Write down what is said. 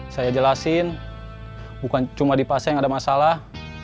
saya jelasin bukan cuma di pasar yang ada masalah